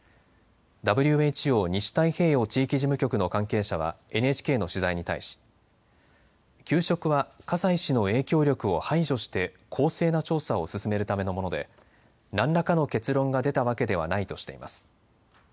ＷＨＯ西太平洋地域事務局の関係者はＮＨＫの取材に対し、休職は葛西氏の影響力を排除して公正な調査を進めるためのもので何らかの結論が出たわけではないとしています。